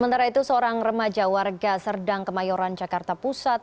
sementara itu seorang remaja warga serdang kemayoran jakarta pusat